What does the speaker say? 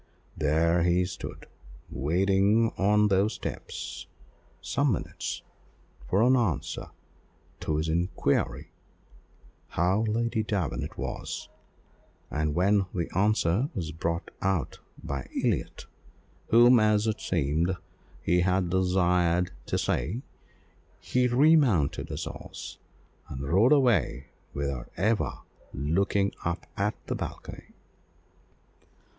There he stood, waiting on those steps, some minutes, for an answer to his inquiry how Lady Davenant was: and when the answer was brought out by Elliott, whom, as it seemed, he had desired to see, he remounted his horse, and rode away without ever again looking up to the balcony.